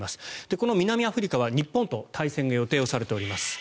この南アフリカは日本と対戦が予定されています。